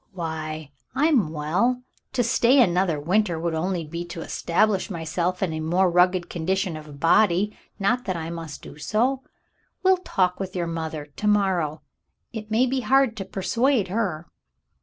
Why, I'm well. To stay another winter would only be to es tablish myself in a more rugged condition of body — not that I must do so. We'll talk with your mother to mor row. It may be hard to persuade her.'